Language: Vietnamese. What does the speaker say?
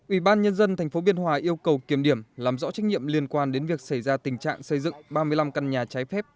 ubnd tp biên hòa yêu cầu kiểm điểm làm rõ trách nhiệm liên quan đến việc xảy ra tình trạng xây dựng ba mươi năm căn nhà trái phép